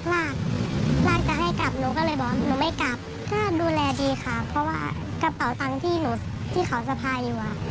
ไม่ดีค่ะเพราะว่ากระเป๋าตังค์ที่เขาจะพาอยู่